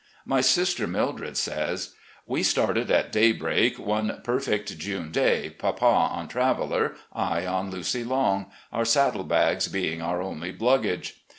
My sister Mildred says: " We started at daybreak one perfect June day, papa on Traveller, I on Lucy Long, our saddle bags being our only luggage.